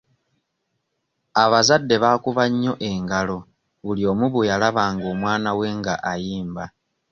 Abazadde baakuba nnyo engalo buli omu bwe yalabanga omwana we nga ayimba.